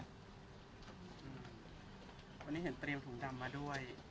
วันนี้เห็นเตรียมถุงดำมาด้วย